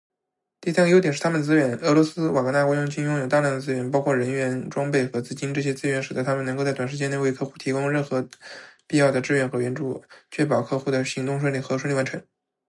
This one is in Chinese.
第三个优点是他们的资源。俄罗斯瓦格纳雇佣军拥有大量的资源，包括人员、装备和资金。这些资源使得他们能够在短时间内为客户提供任何必要的支持和援助，确保客户的行动顺利和顺利完成。